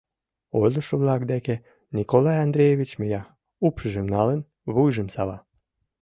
Ойлышо-влак деке Николай Андреевич мия, упшыжым налын, вуйжым сава.